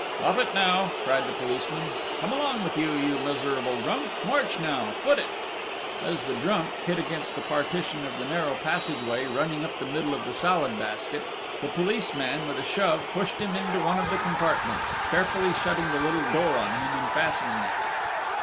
"Hop it now!" cried the policeman. "Come along with you, you miserable drunk!... March now!... Foot it!" As the "drunk" hit against the partition of the narrow passageway running up the middle of the Salad Basket, the policeman, with a shove, pushed him into one of the compartments, carefully shutting the little door on him and fastening it.